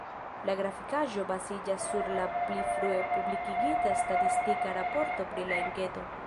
La grafikaĵo baziĝas sur la pli frue publikigita statistika raporto pri la enketo.